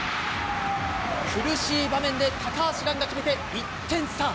苦しい場面で高橋藍が決めて、１点差。